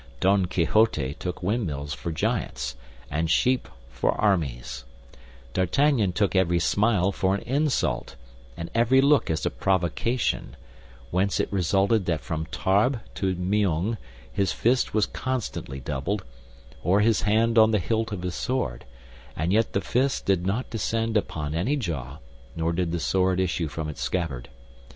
Don Quixote took windmills for giants, and sheep for armies; D'Artagnan took every smile for an insult, and every look as a provocation—whence it resulted that from Tarbes to Meung his fist was constantly doubled, or his hand on the hilt of his sword; and yet the fist did not descend upon any jaw, nor did the sword issue from its scabbard.